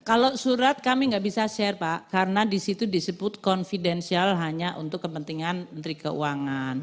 kalau surat kami nggak bisa share pak karena disitu disebut confidential hanya untuk kepentingan menteri keuangan